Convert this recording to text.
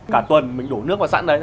cả tuần mình đổ nước vào sẵn đấy